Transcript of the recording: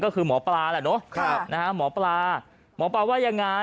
ก็คือหมอปลาแหละเนอะหมอปลาหมอปลาว่ายังไง